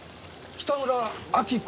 北村明子。